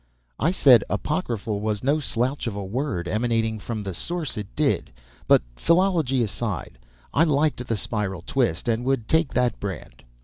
I said apocryphal was no slouch of a word, emanating from the source it did, but, philology aside, I liked the spiral twist and would take that brand.